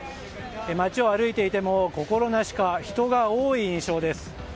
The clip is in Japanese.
街を歩いていても心なしか人が多い印象です。